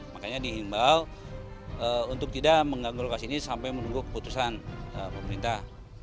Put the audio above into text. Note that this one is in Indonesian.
makanya dihimbau untuk tidak mengganggu lokasi ini sampai menunggu keputusan pemerintah